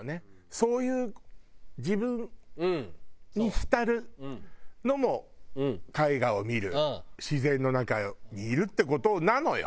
そういう自分に浸るのも絵画を見る自然の中にいるって事なのよ。